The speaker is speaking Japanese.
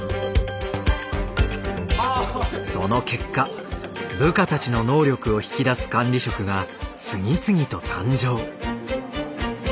その結果部下たちの能力を引き出す管理職が次々と誕生。